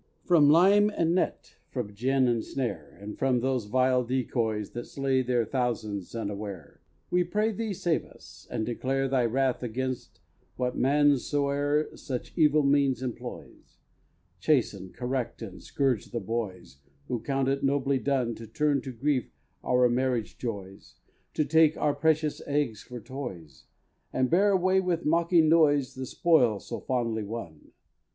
From lime and net, from gin and snare, And from those vile decoys That slay their thousands unaware, We pray thee save us, and declare Thy wrath against what man soe'er Such evil means employs. Chasten, correct and scourge the boys Who count it nobly done To turn to grief our marriage joys, To take our precious eggs for toys, And bear away with mocking noise The spoil so foully won.